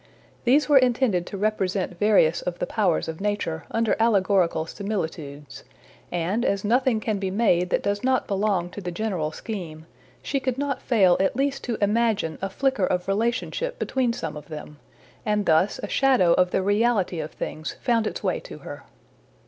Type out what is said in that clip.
These were intended to represent various of the powers of Nature under allegorical similitudes, and as nothing can be made that does not belong to the general scheme, she could not fail at least to imagine a flicker of relationship between some of them, and thus a shadow of the reality of things found its way to her.